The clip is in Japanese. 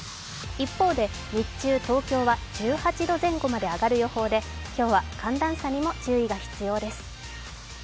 一方で日中東京は１８度前後まで上がる予報で今日は寒暖差にも注意が必要です。